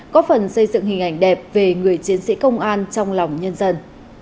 có phần xây dựng hình ảnh đẹp về người chiến sĩ công an trong lòng nhân dân